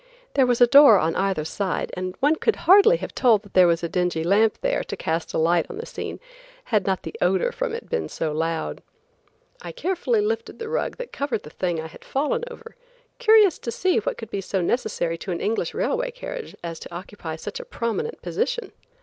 There was a door on either side and one could hardly have told that there was a dingy lamp there to cast a light on the scene had not the odor from it been so loud. I carefully lifted the rug that covered the thing I had fallen over, curious to see what could be so necessary to an English railway carriage as to occupy such a prominent position.